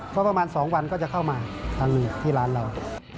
ก็ประมาณ๒วันก็จะเข้ามาทางนี้ที่ร้านเรา